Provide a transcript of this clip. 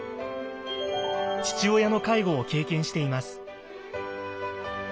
父親の介護を経験しています。